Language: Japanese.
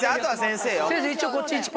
先生一応こっち。